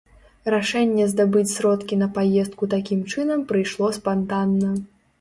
Рашэнне здабыць сродкі на паездку такім чынам прыйшло спантанна.